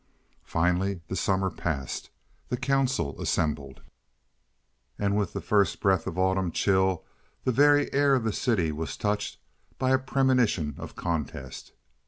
Finally the summer passed, the council assembled, and with the first breath of autumn chill the very air of the city was touched by a premonition of contest.